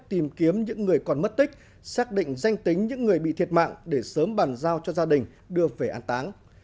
tìm kiếm những người còn mất tích xác định danh tính những người bị thiệt mạng để sớm bàn giao cho gia đình đưa về an táng